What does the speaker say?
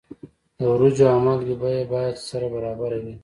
د وریجو او مالګې بیه باید سره برابره وي.